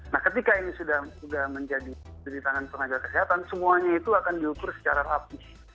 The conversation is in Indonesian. nah ketika ini sudah menjadi di tangan tenaga kesehatan semuanya itu akan diukur secara rapih